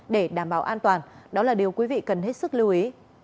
để đảm bảo an toàn đó là điều quý vị cần hết sức lưu ý